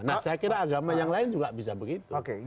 nah saya kira agama yang lain juga bisa begitu